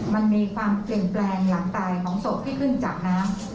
มันมีความเปลี่ยนแปลงหลังตายของศพที่ขึ้นจากน้ำ